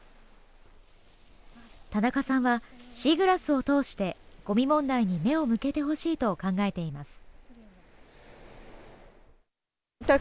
田中さんは、シーグラスを通してごみ問題に目を向けてほしいと考えています。